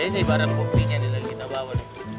ini barang buktinya yang kita bawa